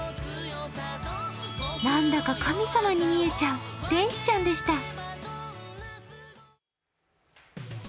何だか神様に見えちゃう、天使ちゃんでした。